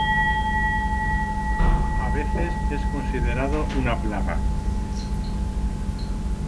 A veces es considerado una plaga.